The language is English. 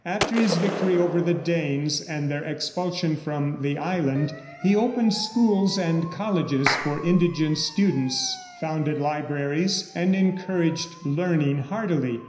After his victory over the Danes, and their expulsion from the island, he opened schools and colleges for indigent students, founded libraries, and encouraged learning heartily.